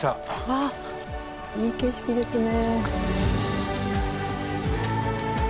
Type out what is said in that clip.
わあいい景色ですね。